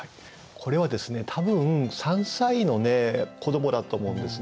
これはですね多分３歳の子どもだと思うんですね。